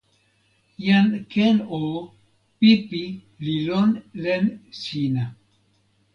jan Ken o, pipi li lon len sina.